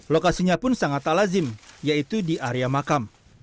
lokasinya pun sangat alazim yaitu di area makam